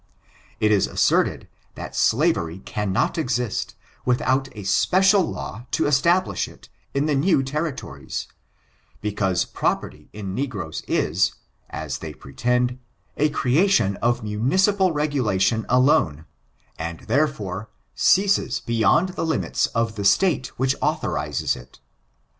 It is asserted that slavery cannot exist, without a special law to establish it, in the new Territories, because property in negroes is, as they pretend, a creation of mimicipal regulation alone, and, therefore, ceases beyond the limits of the State which authorizes it.